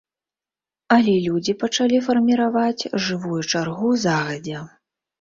Але людзі пачалі фарміраваць жывую чаргу загадзя.